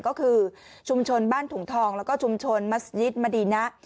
ก็คือชุมชนบ้านถุงทองแล้วก็ชุมชนมัศยิตมดีนะ